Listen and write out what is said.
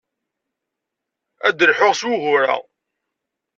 Ad d-lhuɣ s wugur-a.